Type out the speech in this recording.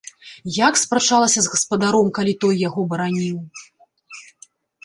Як спрачалася з гаспадаром, калі той яго бараніў!